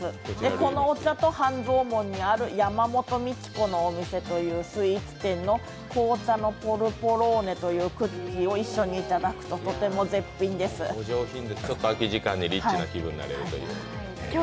このお茶と、半蔵門にある山本道子のお店というスイーツ店の紅茶のポルボローネというクッキーを一緒にいただくと、とても絶品ですお上品です、ちょっと空き時間にリッチな気分になれるという。